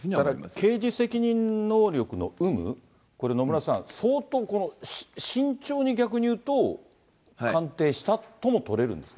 刑事責任能力の有無、これ野村さん、相当慎重に、逆に言うと鑑定したともとれるんですか。